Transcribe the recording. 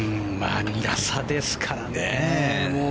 ２打差ですからね。